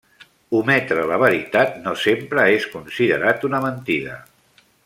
Ometre la veritat no sempre és considerat una mentida.